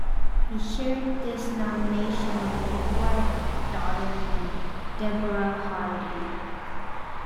He shared this nomination with his wife, daughter, and Deborah Hardy.